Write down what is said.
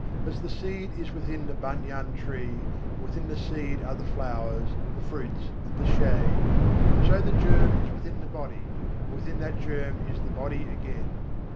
As the seed is within the banyan tree, and within the seed are the flowers, the fruits, and the shade: So the germ is within the body, and within that germ is the body again.